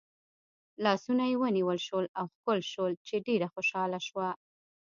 لاسونه یې ونیول شول او ښکل شول چې ډېره خوشحاله شوه.